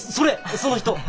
その人！